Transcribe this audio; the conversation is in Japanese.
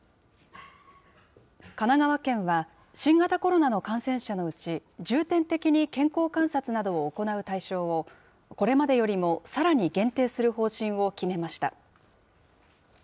神奈川県は、新型コロナの感染者のうち、重点的に健康観察などを行う対象を、これまでよりもさらに限定する方針を決めました。